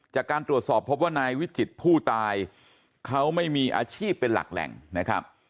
จากการตรวจสอบพบว่านายวิจิตรผู้ตายเขาไม่มีอาชีพเป็นหลักแหล่งนะครับ